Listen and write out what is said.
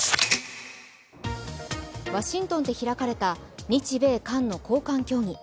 ワシントンで開かれた日米韓の高官協議。